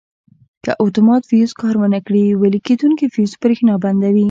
که اتومات فیوز کار ور نه کړي ویلې کېدونکی فیوز برېښنا بندوي.